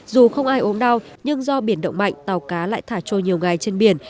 dù không ai ốm đau nhưng do biển động mạnh tàu cá lại thả trôi nhiều ngày trên biển